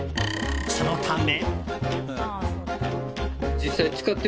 そのため。